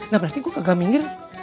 nah berarti gue kagak minggir